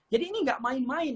jadi ini gak main main